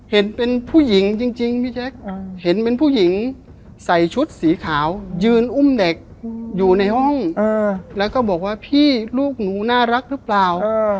เห็นเป็นผู้หญิงจริงพี่แจ๊คเห็นเป็นผู้หญิงใส่ชุดสีขาวยืนอุ้มเด็กอยู่ในห้องแล้วก็บอกว่าพี่ลูกหนูน่ารักหรือเปล่า